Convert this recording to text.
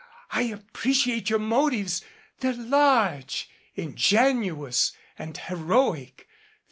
I appreciate your motives. They're large, ingenu ous and heroic.